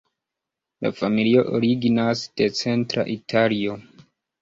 La familio originas de centra Italio.